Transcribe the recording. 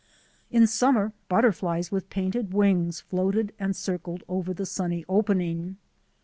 In summer butterflies with painted wings floated and circled over the sunny opening.